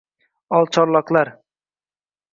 oqcharloqlar endi unga ortiq qarab turolmadilar.